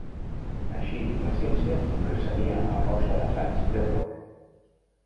Així, la ciència progressaria a força d'assaig i error.